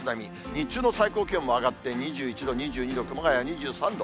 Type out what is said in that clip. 日中の最高気温も上がって、２１度、２２度、熊谷２３度。